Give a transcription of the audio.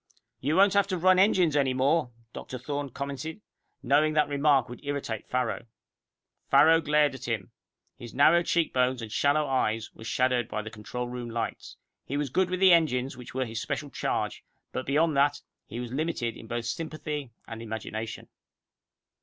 "You won't have to run engines anymore," Dr. Thorne commented, knowing that remark would irritate Farrow. Farrow glared at him. His narrow cheekbones and shallow eyes were shadowed by the control room lights. He was good with the engines which were his special charge, but beyond that, he was limited in both sympathy and imagination.